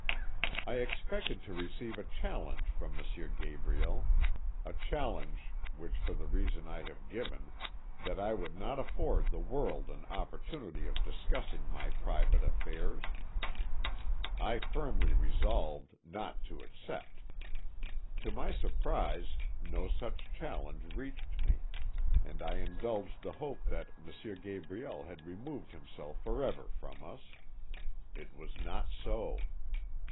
"I expected to receive a challenge from M. Gabriel, a challenge which for the reason I have given that I would not afford the world an opportunity of discussing my private affairs I firmly resolved not to accept. To my surprise no such challenge reached me, and I indulged the hope that M. Gabriel had removed himself forever from us. It was not so.